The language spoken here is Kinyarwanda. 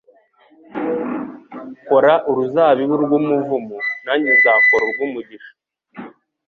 Kora uruzabibu rw'umuvumo, nanjye nzakora urw umugisha